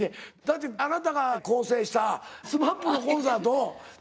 だってあなたが構成したＳＭＡＰのコンサート